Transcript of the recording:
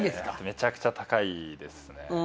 めちゃくちゃ高いですね。